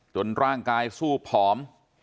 ร่างกายสู้ผอม